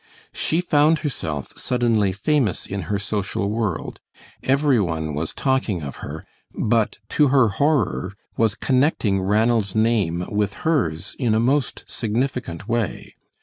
She found herself suddenly famous in her social world; every one was talking of her, but to her horror, was connecting Ranald's name with her's in a most significant way.